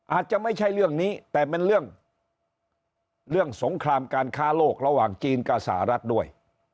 อาจจะไม่ใช่เรื่องนี้แต่เป็นเรื่องสงครามการค้าโลกระหว่างจีนกับสหรัฐด้วย